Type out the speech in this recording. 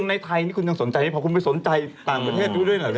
ในไทยนี่คุณยังสนใจไม่พอคุณไปสนใจต่างประเทศดูด้วยเหรอ